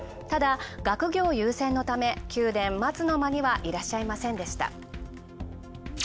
ただ学業優先のため、宮殿・松の間にはいらっしゃいませんでした。